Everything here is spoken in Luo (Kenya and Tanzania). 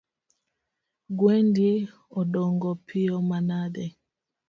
Gwendi odongo piyo manadeni!